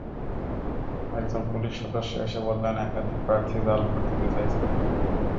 একজন পুলিশ সদস্য এসে বললেন, একাধিক প্রার্থী জাল ভোট দিতে চাইছিলেন।